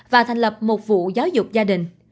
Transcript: và thành lập một vụ giáo dục gia đình